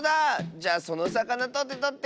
じゃそのさかなとってとって！